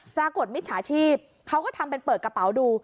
มิจฉาชีพเขาก็ทำเป็นเปิดกระเป๋าดู